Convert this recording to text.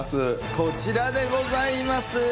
こちらでございます。